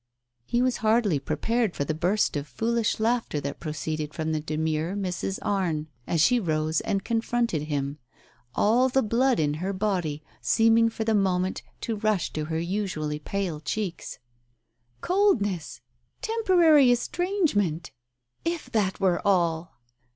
" He was hardly prepared for the burst of foolish laughter that proceeded from the demure Mrs. Arne as she rose and confronted him, all the blood in her body seeming for the moment to rush to her usually pale cheeks. " Coldness ! Temporary estrangement ! If that were all